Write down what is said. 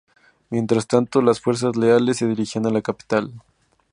Mientras tanto, las fuerzas leales se dirigían a la capital.